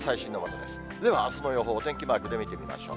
では、あすの予報、お天気マークで見てみましょう。